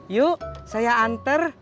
yuk saya anter